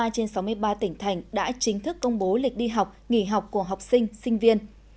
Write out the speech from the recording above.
ba mươi trên sáu mươi ba tỉnh thành đã chính thức công bố lịch đi học nghỉ học của học sinh sinh viên